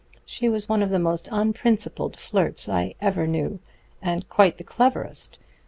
She was one of the most unprincipled flirts I ever knew, and quite the cleverest.